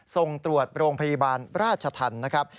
ส่งตรวจโรงพยาบาลราชธรรมนะครับ